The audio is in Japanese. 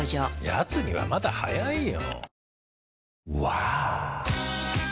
やつにはまだ早いよ。